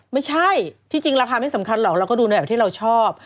ไม่ใช่ที่จริงราคาไม่สำคัญหรอกเราก็ดูในแบบที่เราชอบ